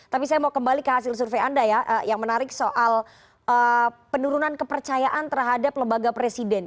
tapi saya mau kembali ke hasil survei anda ya yang menarik soal penurunan kepercayaan terhadap lembaga presiden